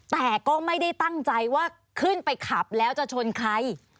แต่ก็ไม่ได้ตั้งใจว่าขึ้นไปขับแล้วจะชนใคร